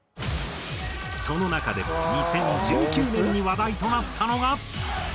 その中でも２０１９年に話題となったのが。